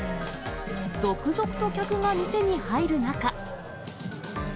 続々と客が店に入る中。